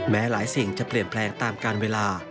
แม้หลายสิ่งจะเปลี่ยนแปลงตามการเวลา